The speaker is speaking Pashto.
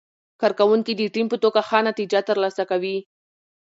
کارکوونکي د ټیم په توګه ښه نتیجه ترلاسه کوي